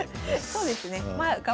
そうですね。